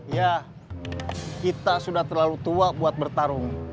ya kita sudah terlalu tua buat bertarung